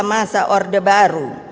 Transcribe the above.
masa orde baru